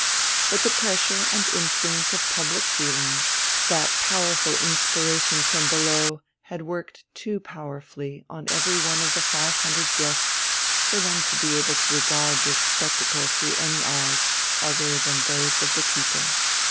But the pressure and influence of public feeling, that powerful inspiration from below, had worked too powerfully on every one of the five hundred guests for them to be able to regard this spectacle through any eyes other than those of the people.